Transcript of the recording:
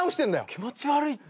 気持ち悪いって。